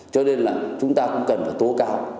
cho nên là chúng ta cũng cần phải tố cáo